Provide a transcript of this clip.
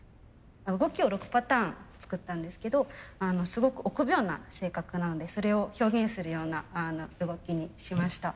動きを６パターン作ったんですけどすごく臆病な性格なのでそれを表現するような動きにしました。